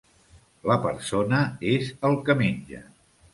La persona és el que menja.